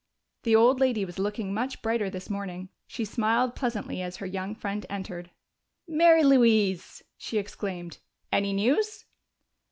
The old lady was looking much brighter this morning. She smiled pleasantly as her young friend entered. "Mary Louise!" she exclaimed. "Any news?"